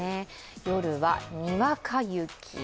夜はにわか雪。